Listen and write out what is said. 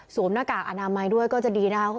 สวมหน้ากากอนามัยด้วยก็จะดีนะ